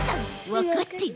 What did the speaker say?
わかってる！